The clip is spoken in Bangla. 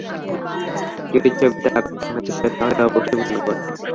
যদি ছবিতে আবেগ দেখাতে চাও, তাহলে অবশ্য ভিন্ন কথা।